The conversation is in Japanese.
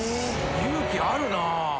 勇気あるなぁ。